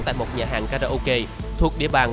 tại một nhà hàng karaoke thuộc địa bàn